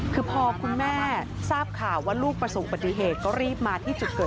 คือพอคุณแม่ทราบข่าวว่าลูกประสงค์ปฏิเหตุก็รีบมาที่ที่สวนทางไม่ไหว